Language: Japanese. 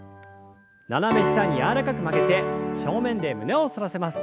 斜め下に柔らかく曲げて正面で胸を反らせます。